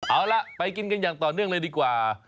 เอาล่ะไปกินกันอย่างต่อเนื่องเลยดีกว่า